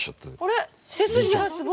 あれ背筋がすごい。